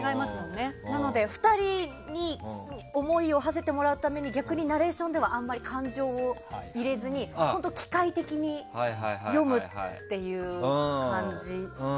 なので２人に思いをはせてもらうために逆にナレーションではあまり感情を入れずに本当、機械的に読むっていう感じで。